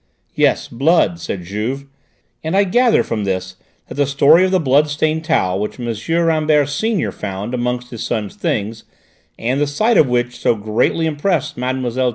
"Yes, blood," said Juve, "and I gather from this that the story of the blood stained towel which M. Rambert senior found among his son's things, and the sight of which so greatly impressed Mlle.